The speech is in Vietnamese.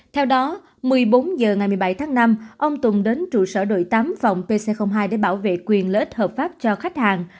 theo đó một mươi bốn h ngày một mươi bảy tháng năm ông tùng đến trụ sở đội tám phòng pc hai để bảo vệ quyền lợi ích hợp pháp cho khách hàng